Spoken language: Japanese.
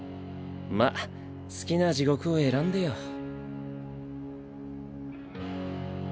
まっ好きな地獄を選んでよ。